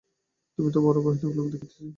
তুমি তো বড়ো ভয়ানক লোক দেখিতেছি।